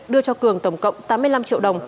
đưa cho cường tổng cộng tám mươi năm triệu đồng